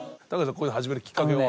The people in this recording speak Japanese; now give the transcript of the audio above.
これ始めるきっかけは？